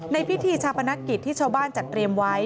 พิธีชาปนกิจที่ชาวบ้านจัดเตรียมไว้